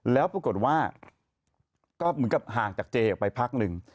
แล้วปรากฏว่าก็เหมือนกับห่างจากเจออกไปพักหนึ่ง